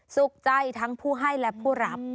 สุขใจทั้งผู้ให้และผู้รับ